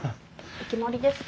お決まりですか？